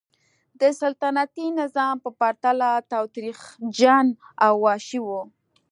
د سلطنتي نظام په پرتله تاوتریخجن او وحشي و.